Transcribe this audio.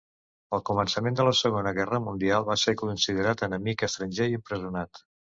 Al començament de la Segona Guerra Mundial va ser considerat enemic estranger i empresonat.